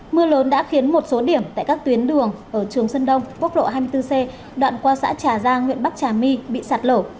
mưa lớn đã khiến một số điểm tại các tuyến đường ở trường sơn đông quốc lộ hai mươi bốn c đoạn qua xã trà giang huyện bắc trà my bị sạt lở